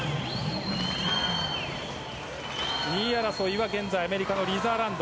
２位争いは現在アメリカのリザーランド。